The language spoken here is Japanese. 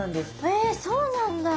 へえそうなんだ。